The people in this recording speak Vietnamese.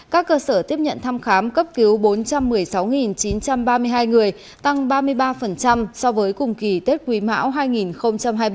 các cơ sở tiếp nhận thăm khám cấp cứu bốn trăm một mươi sáu chín trăm ba mươi hai người tăng ba mươi ba so với cùng kỳ tết quý mão hai nghìn hai mươi ba